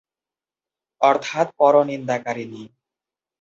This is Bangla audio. অর্থাৎ পর নিন্দাকারিণী।